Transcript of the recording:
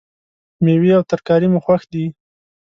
میوې او ترکاری مو خوښ دي